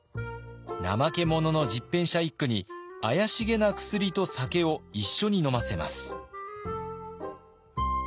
怠け者の十返舎一九に怪しげな薬と酒を一緒に飲ませます。